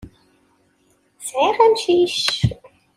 Sɛiɣ amcic.